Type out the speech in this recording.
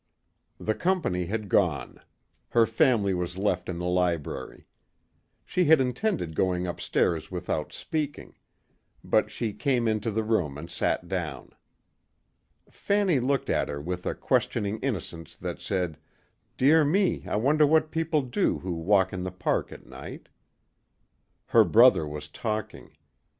The company had gone. Her family was left in the library. She had intended going upstairs without speaking. But she came into the room and sat down. Fanny looked at her with a questioning innocence that said, "Dear me, I wonder what people do who walk in the park at night?" Her brother was talking.